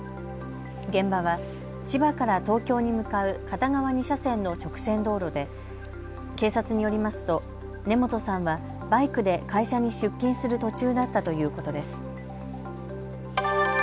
現場は千葉から東京に向かう片側２車線の直線道路で警察によりますと根本さんはバイクで会社に出勤する途中だったということです。